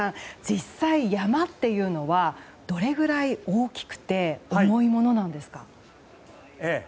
実際、山笠というのはどれくらい大きくて重いものなんですか？